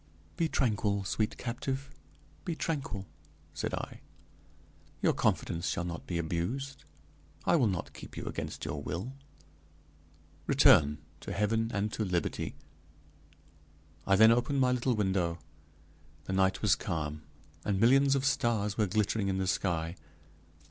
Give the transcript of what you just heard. "Be tranquil, sweet captive, be tranquil," said I; "your confidence shall not be abused. I will not keep you against your will. Return to heaven and to liberty." I then opened my little window. The night was calm, and millions of stars were glittering in the sky.